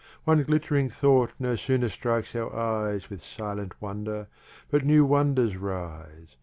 One glitt'ring Thought no sooner strikes our Eyes With silent wonder, but new wonders rise.